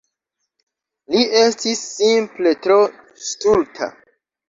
Li estis simple tro stulta.